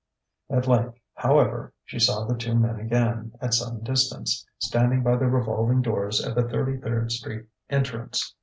At length, however, she saw the two men again, at some distance, standing by the revolving doors at the Thirty third Street entrance.